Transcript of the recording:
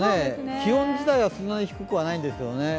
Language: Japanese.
気温自体はそんなに低くないんですよね。